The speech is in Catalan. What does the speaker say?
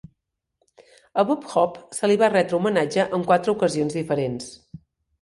A Bob Hope se li va retre homenatge en quatre ocasions diferents.